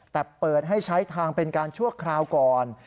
แต่เปิดให้ใช้ทางเป็นการชั่วคราวก่อน